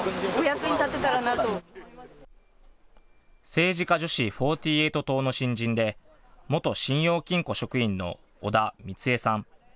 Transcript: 政治家女子４８党の新人で元信用金庫職員の織田三江さん。